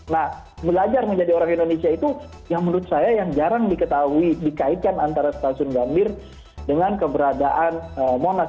nah belajar menjadi orang indonesia itu yang menurut saya yang jarang diketahui dikaitkan antara stasiun gambir dengan keberadaan monas